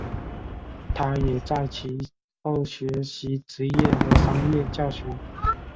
他也在其后学习职业和商业教学。